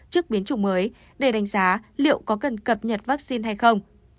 trước biến chủng mới để đánh giá liệu có cần cập nhật vaccine hay không